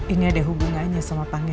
ini ada hubungannya sama pangeran